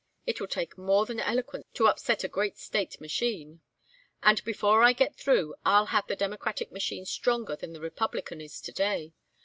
It will take more than eloquence to upset a great State machine, and before I get through I'll have the Democratic machine stronger than the Republican is to day.